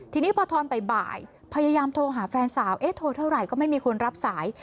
ทีนี้พอทอนบ่ายพยายามโทรหาแฟนสาวเอ๊ะโทรเท่าไหร่ก็ไม่มีคนรับสาย